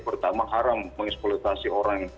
pertama haram mengeskualitasikan orang